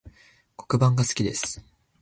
黒板が好きです